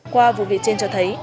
qua vụ việc trên cho thấy